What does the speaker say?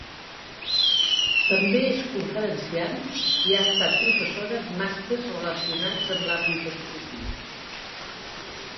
També és conferenciant i ha estat professora en màsters relacionats amb l'àmbit esportiu.